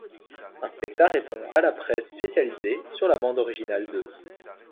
Inspectah répond à la presse spécialisée ' sur la bande originale de '.